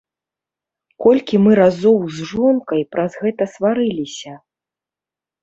Колькі мы разоў з жонкай праз гэта сварыліся!